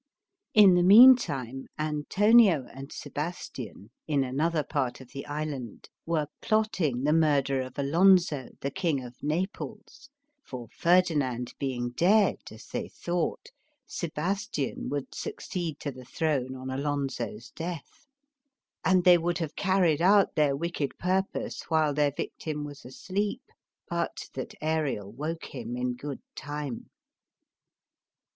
*' In the meantime, Antonio and Sebastian in another part of the island were plotting the murder of Alonso, the King of Naples, for Ferdinand being dead, as they thought, Sebastian would succeed to the throne on Alonso's death. And they would have carried out their wicked purpose while their victim was asleep, but that Ariel woke him in good time.